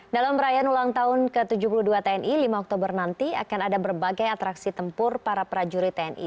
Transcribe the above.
dalam perayaan ulang tahun ke tujuh puluh dua tni lima oktober nanti akan ada berbagai atraksi tempur para prajurit tni